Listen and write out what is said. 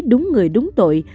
đúng người đúng tội